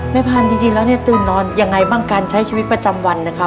พันธุ์จริงแล้วเนี่ยตื่นนอนยังไงบ้างการใช้ชีวิตประจำวันนะครับ